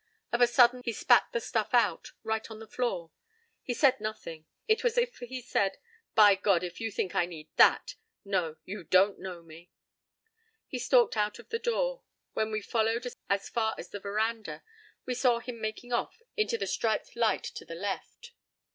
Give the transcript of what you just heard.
Of a sudden he spat the stuff out, right on the floor. He said nothing. It was as if he said: "By God! if you think I need that! No! You don't know me!" He stalked out of the door. When we followed as far as the veranda we saw him making off into the striped light to the left.